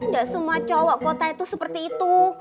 gak semua cowok kota itu seperti itu